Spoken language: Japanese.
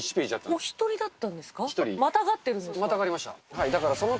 お１人だったんですか？